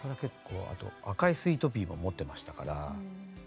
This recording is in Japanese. あと「赤いスイートピー」も持ってましたからレコードで。